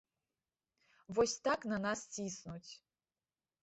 Вось так на нас ціснуць.